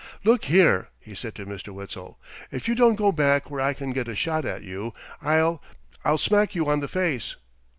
"Look here," he said to Mr. Witzel. "If you don't go back where I can get a shot at you, I'll I'll smack you on the face."